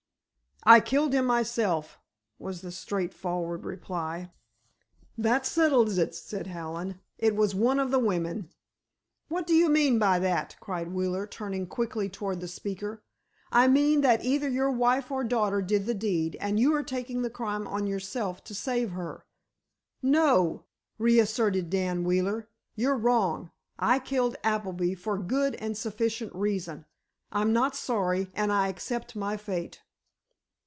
"I killed him myself," was the straightforward reply. "That settles it," said Hallen, "it was one of the women." "What do you mean by that?" cried Wheeler, turning quickly toward the speaker. "I mean, that either your wife or daughter did the deed, and you are taking the crime on yourself to save her." "No;" reasserted Dan Wheeler, "you're wrong. I killed Appleby for good and sufficient reason. I'm not sorry, and I accept my fate."